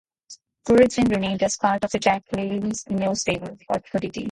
Kurrgan remained as part of The Jackyl's new stable, The Oddities.